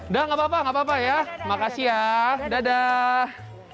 udah nggak apa apa ya makasih ya dadah